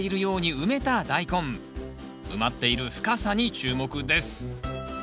埋まっている深さに注目です